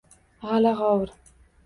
G‘ala-g‘ovur.